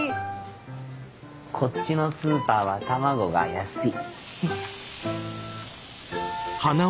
こっちのスーパーは卵が安い。